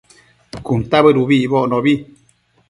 cuntabëd ubi icbocno